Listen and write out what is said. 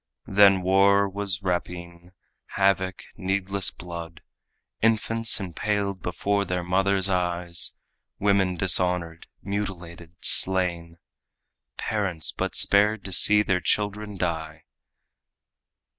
Then war was rapine, havoc, needless blood, Infants impaled before their mothers' eyes, Women dishonored, mutilated, slain, Parents but spared to see their children die.